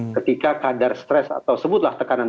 ketika kadar stres atau sebutlah tekanan